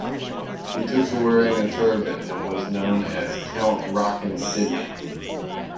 He took to wearing a turban and was known as "Count Rockin' Sidney".